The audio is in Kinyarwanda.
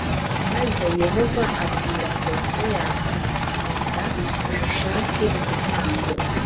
maze Yehova abwira Hoseya ati “gendaj ushake igitambo”